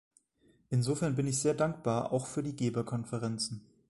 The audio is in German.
Insofern bin ich sehr dankbar auch für die Geberkonferenzen.